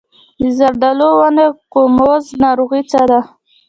د زردالو د ونو ګوموز ناروغي څه ده؟